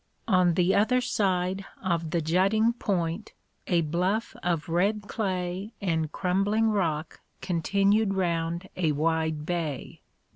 On the other side of the jutting point a bluff of red clay and crumbling rock continued round a wide bay.